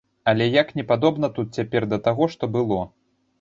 Але як не падобна тут цяпер да таго, што было!